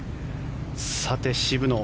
さて渋野。